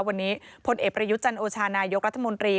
วันนี้พลเอกประยุทธ์จันโอชานายกรัฐมนตรี